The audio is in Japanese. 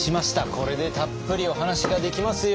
これでたっぷりお話ができますよ。